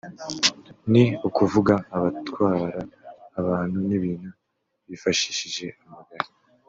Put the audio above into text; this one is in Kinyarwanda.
ni ukuvuga abatwara abantu n’ibintu bifashishije amagare